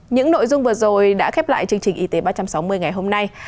những nội dung vừa rồi đã khép lại chương trình y tế ba trăm sáu mươi ngày hôm nay